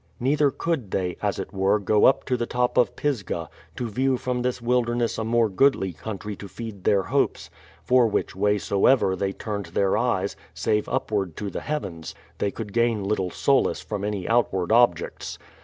Neither could they, as it were, go up to the top of Pisgah, to view from this wilderness a more goodly country to feed their hopes ; for which way soever they turned their eyes (save upward to the Heavens!) they could gain little solace from any outward objects.